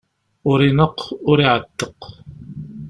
Ur ineqq, ur iɛetteq.